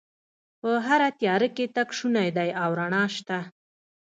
په هره تیاره کې تګ شونی دی او رڼا شته